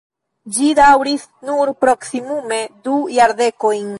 Ĝi daŭris nur proksimume du jardekojn.